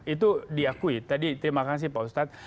itu diakui tadi terima kasih pak ustadz